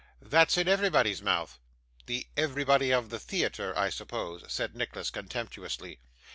'That's in everybody's mouth.' 'The "everybody" of the theatre, I suppose?' said Nicholas, contemptuously.